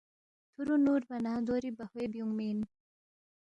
تھُورو نُوربا نہ دوری بہوے بیُونگمی اِن